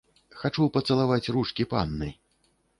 Хачу пацалаваць ручкі панны.